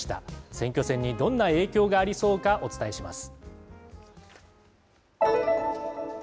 選挙戦にどんな影響がありそうか、お伝えします。